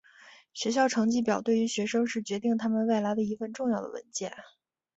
学校成绩表对于学生是决定他们未来的一份重要的文件。